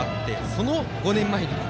その５年前にも。